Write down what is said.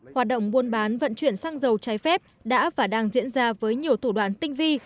hoạt động mua bán vận chuyển xăng dầu trái phép đã và đang diễn ra với nhiều tủ đoàn tinh vi